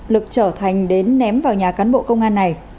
lực trở thành đến ném vào nhà cán bộ công an này